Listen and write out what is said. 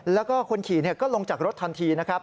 แล้วก็คนขี่ก็ลงจากรถทันทีนะครับ